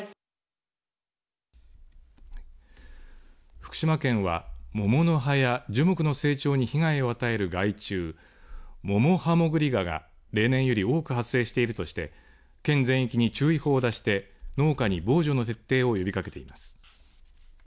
福島県は桃の葉や樹木の成長に被害を与える害虫モモハモグリガが例年より多く発生しているとして県全域に注意報を出して農家に防除の徹底を呼びかけています。